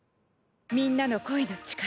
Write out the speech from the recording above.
みんなの声の力